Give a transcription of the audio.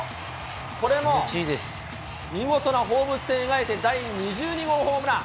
これも見事な放物線を描いて第２２号ホームラン。